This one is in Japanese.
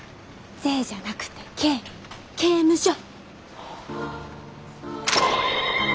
税じゃなくて刑刑務所。